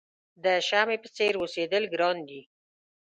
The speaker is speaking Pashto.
د شمعې په څېر اوسېدل ګران دي.